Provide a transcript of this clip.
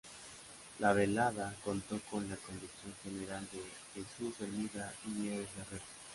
La velada, contó con la conducción general de: Jesús Hermida y Nieves Herrero.